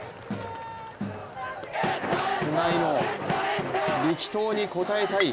菅井の力投に応えたい。